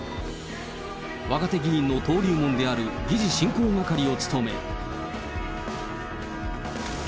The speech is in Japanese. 若手議員の登竜門である議事進行係を務め。